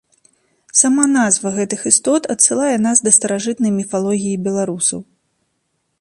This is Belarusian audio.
Сама назва гэтых істот адсылае нас да старажытнай міфалогіі беларусаў.